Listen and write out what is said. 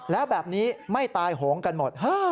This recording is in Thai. แล้วแบบนี้ไม่ตายโหงกันหมด